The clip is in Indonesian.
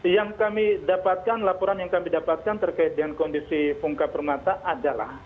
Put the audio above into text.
yang kami dapatkan laporan yang kami dapatkan terkait dengan kondisi fungka permata adalah